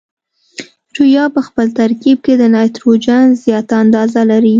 یوریا په خپل ترکیب کې د نایتروجن زیاته اندازه لري.